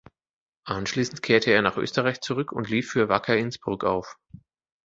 Anschließend kehrte er nach Österreich zurück und lief für Wacker Innsbruck auf.